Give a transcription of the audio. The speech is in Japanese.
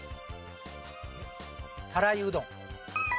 たらいうどん。